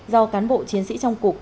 do cán bộ chiến sĩ trong cục